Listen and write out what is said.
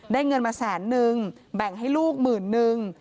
เงินมาแสนนึงแบ่งให้ลูกหมื่นนึง